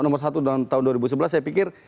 nomor satu tahun dua ribu sebelas saya pikir